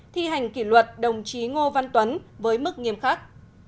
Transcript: thi hành kỷ luật đồng chí ngô văn tuấn với mức nghiêm khắc